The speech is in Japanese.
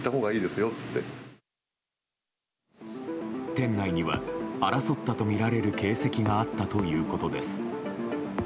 店内には、争ったとみられる形跡があったということです。